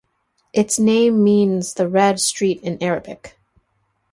Its name means "the Red Street" in Arabic.